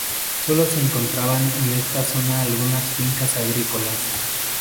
Solo se encontraban en esta zona algunas fincas agrícolas.